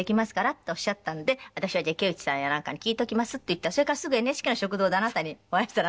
っておっしゃたので私は「じゃあ池内さんやなんかに聞いておきます」って言ったらそれからすぐＮＨＫの食堂であなたにお会いした。